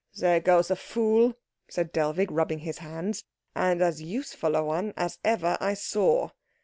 "There goes a fool," said Dellwig, rubbing his hands, "and as useful a one as ever I saw.